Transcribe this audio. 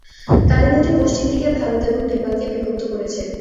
কালী নদী পশ্চিম দিকে ভারত এবং নেপালকে বিভক্ত করেছে।